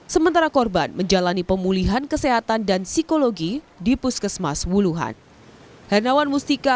sementara korban menjalani pemulihan kesehatan dan psikologi di puskesmas wuhan